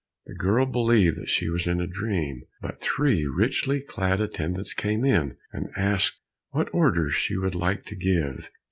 The girl believed that she was in a dream, but three richly clad attendants came in, and asked what orders she would like to give?